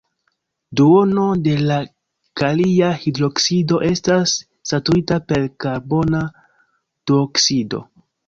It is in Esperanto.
Duono de la kalia hidroksido estas saturita per karbona duoksido.